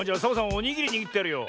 おにぎりにぎってやるよ。